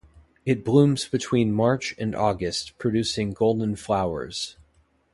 It blooms between March and August producing golden flowers.